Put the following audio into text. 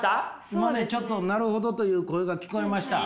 今ねちょっと「なるほど」という声が聞こえました。